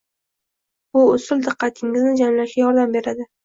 Bu usul diqqatingizni jamlashga yordam beradi